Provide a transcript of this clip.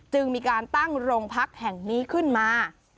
จึงมีการตั้งโรงพักแห่งนี้ขึ้นมา